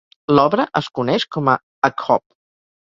L'obra es coneix com a "Akhob".